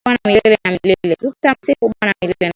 Tutamsifu bwana milele na milele